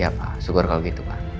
ya pak syukur kalau gitu pak